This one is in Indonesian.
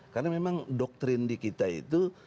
karena memang doktrin di kita itu